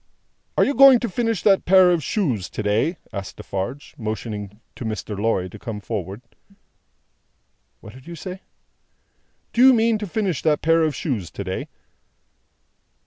"Are you going to finish that pair of shoes to day?" asked Defarge, motioning to Mr. Lorry to come forward. "What did you say?" "Do you mean to finish that pair of shoes to day?"